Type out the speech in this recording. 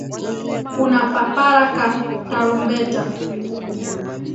Una papara ka tarumbeta.